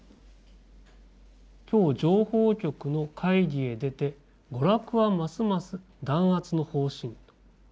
「今日情報局の会議へ出て娯楽はますます弾圧の方針。